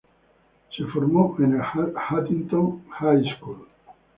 Se formó en el Huntington High School.